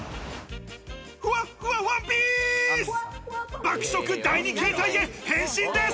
ふわふわワンピース！